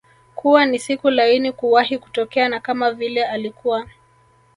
kuwa ni siku laini kuwahi kutokea na kama vile alikuwa